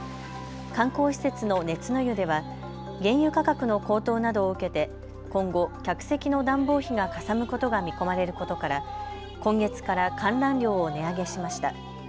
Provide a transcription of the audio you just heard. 観光施設の熱乃湯では原油価格の高騰などを受けて今後、客席の暖房費がかさむことが見込まれることから今月から観覧料を値上げしました。